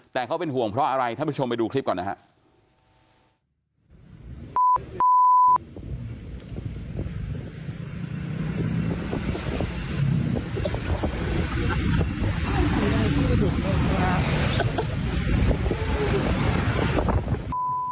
แต่เขาเป็นห่วงเพราะอะไรท่านผู้ชมไปดูคลิปก่อนนะครับ